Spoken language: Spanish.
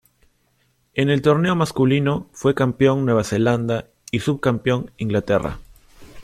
En el torneo masculino fue campeón Nueva Zelanda y subcampeón Inglaterra.